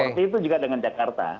seperti itu juga dengan jakarta